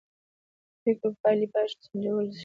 د پرېکړو پایلې باید سنجول شي